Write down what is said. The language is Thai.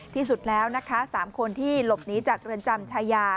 ที่สุดแล้วนะคะ๓คนที่หลบหนีจากเรือนจำชายา